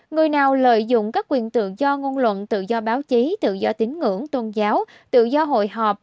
người nào lợi dụng các quyền tự do ngôn luận tự do báo chí tự do tín ngưỡng tôn giáo tự do hội họp